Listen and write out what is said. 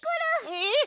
えっ！？